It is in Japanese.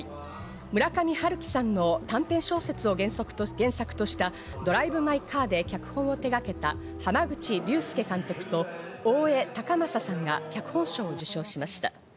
村上春樹さんの短編小説を原作とした『ドライブ・マイ・カー』で脚本を手がけた濱口竜介監督と大江崇允さんが脚本賞を受賞しました。